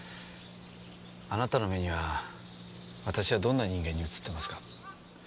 あなたの目には私はどんな人間に映ってますか？